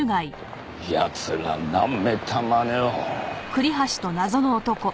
奴らなめたまねを。